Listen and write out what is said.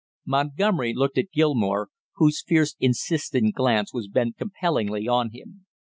Montgomery looked at Gilmore, whose fierce insistent glance was bent compellingly on him.